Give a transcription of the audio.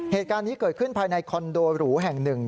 เหตุการณ์นี้เกิดขึ้นภายในคอนโดหรูแห่งหนึ่ง